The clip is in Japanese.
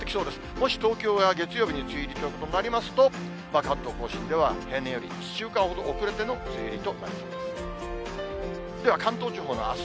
もし東京が月曜日に梅雨入りとなりますと、関東甲信では、平年より１週間ほど遅れての梅雨入りとなりそうです。